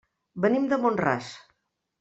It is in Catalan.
Venim de Mont-ras.